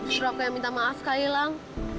suruh aku yang minta maaf sekali lagi